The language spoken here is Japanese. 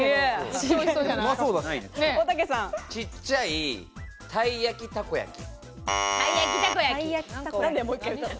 ちっちゃいたいやきたこやき。